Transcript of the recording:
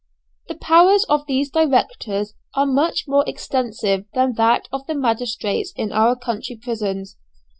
The powers of these directors are much more extensive than that of the magistrates in our county prisons.